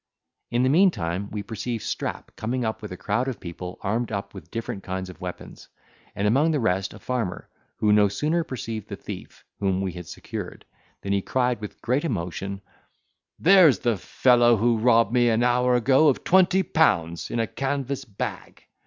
In the meantime, we perceived Strap coming up with a crowd of people, armed up with different kinds of weapons; and among the rest a farmer, who no sooner perceived the thief, whom we had secured, than he cried with great emotion, "There's the fellow who robbed me an hour ago of twenty pounds, in a canvas bag."